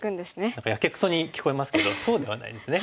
何かやけくそに聞こえますけどそうではないんですね。